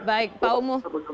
baik pak omoh